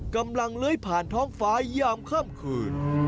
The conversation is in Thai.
กำลังเล้ยผ่านท้องฟ้าย่ามค่ำคืน